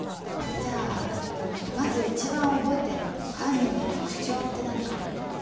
じゃあまず一番覚えてる犯人の特徴って何かな？